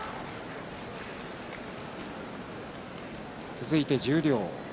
続いて十両です。